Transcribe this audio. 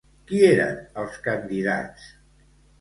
Qui eren els candidats?